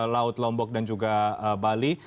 laut lombok dan juga bali